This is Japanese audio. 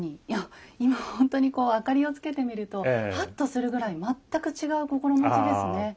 いや今ほんとにこう明かりをつけてみるとハッとするぐらい全く違う心持ちですね。